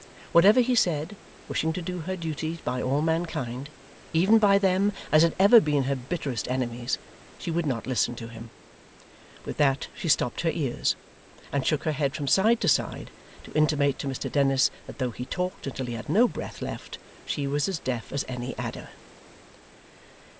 Whatever he said, wishing to do her duty by all mankind, even by them as had ever been her bitterest enemies, she would not listen to him. With that she stopped her ears, and shook her head from side to side, to intimate to Mr Dennis that though he talked until he had no breath left, she was as deaf as any adder.